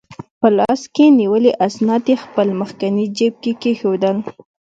په لاس کې نیولي اسناد یې خپل مخکني جیب کې کېښوول.